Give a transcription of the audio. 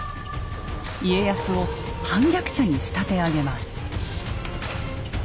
家康を反逆者に仕立て上げます。